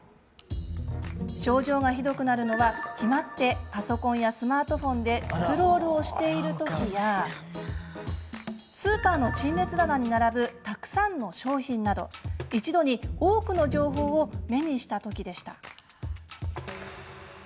症状がひどくなるのは、決まってパソコンやスマートフォンでスクロールをしている時やスーパーの陳列棚に並ぶたくさんの商品など、一度に多くの情報を目にした時でした。